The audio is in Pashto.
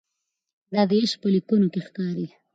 د ده عشق په لیکنو کې ښکاري.